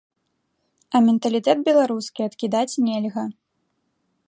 А менталітэт беларускі адкідаць нельга.